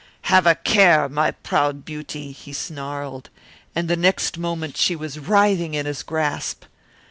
"Have a care, my proud beauty!" he snarled, and the next moment she was writhing in his grasp.